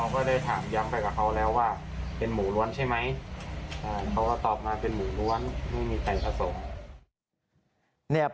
เขาก็ตอบมาเป็นหมูล้วนไม่มีไข่ผสม